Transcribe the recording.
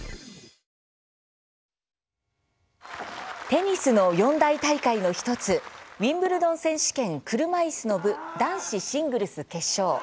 テニスの四大大会の１つウィンブルドン選手権車いすの部、男子シングルス決勝。